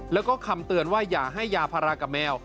แล้วก็คำเตือนไม่ให้พอส์ยาพารากับแมว